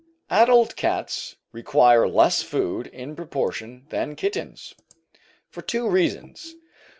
Adult cats require less food in proportion than kittens, for two reasons.